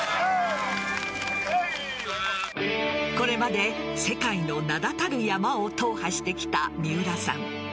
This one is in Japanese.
これまで世界の名だたる山を踏破してきた三浦さん。